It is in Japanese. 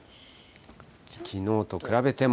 きのうと比べても。